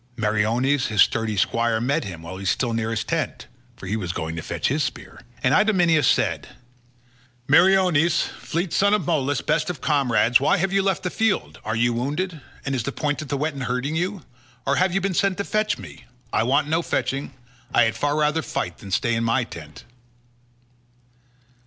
Meriones his sturdy squire met him while he was still near his tent (for he was going to fetch his spear) and Idomeneus said: "Meriones, fleet son of Molus, best of comrades, why have you left the field? Are you wounded, and is the point of the weapon hurting you? or have you been sent to fetch me? I want no fetching; I had far rather fight than stay in my tent."